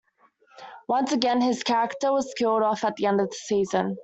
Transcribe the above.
Once again, his character was killed off at the end of the season.